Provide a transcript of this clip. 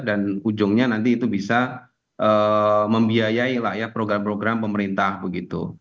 dan ujungnya nanti itu bisa membiayai lah ya program program pemerintah begitu